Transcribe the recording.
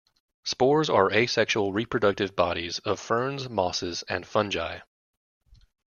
Spores are asexual reproductive bodies of ferns, mosses and fungi.